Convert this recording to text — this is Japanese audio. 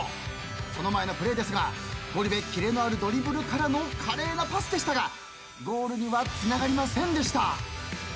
その前のプレーですがゴリ部キレのあるドリブルからの華麗なパスでしたがゴールにはつながりませんでした。